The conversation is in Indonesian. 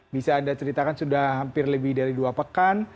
bisa anda ceritakan sudah hampir lebih dari dua pekan